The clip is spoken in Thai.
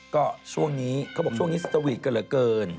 ก็ช่วงนี้เขาบอกช่วงนี้สตวีทกันเหลือเกิน